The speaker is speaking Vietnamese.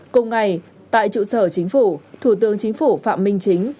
cùng ngày tại trụ sở chính phủ thủ tướng chính phủ phạm minh chính